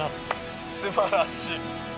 すばらしい。